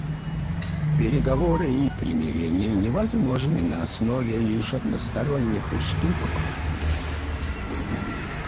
Переговоры и примирение невозможны на основе лишь односторонних уступок.